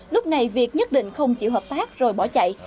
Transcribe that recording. lúc này việc nhất định không chịu hợp tác rồi bỏ chạy